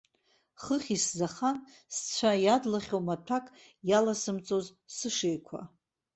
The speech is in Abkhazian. Хыхь исзахан сцәа иадлахьоу маҭәак иаласымҵоз сышеиқәа.